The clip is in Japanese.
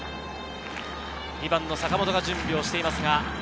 ２番の坂本が準備をしています。